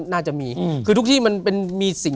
น่าจะมีคือทุกที่มันเป็นมีสิ่ง